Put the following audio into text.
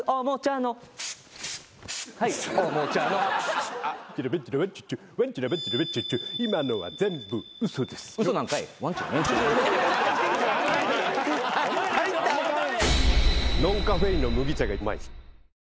ノンカフェインの麦茶がうまい。